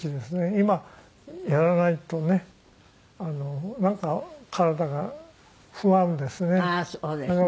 今やらないとねなんか体が不安ですね。